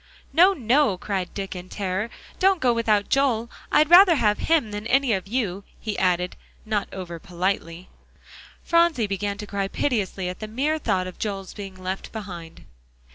"No no," cried Dick in terror, "don't go without Joel; I'd rather have him than any of you," he added, not over politely. Phronsie began to cry piteously at the mere thought of Joel's being left behind.